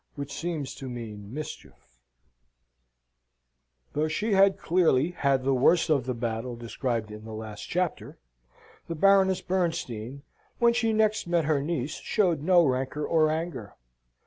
Which seems to mean Mischief Though she had clearly had the worst of the battle described in the last chapter, the Baroness Bernstein, when she next met her niece showed no rancour or anger.